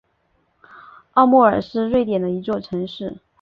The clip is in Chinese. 奥莫尔是瑞典的一座城市。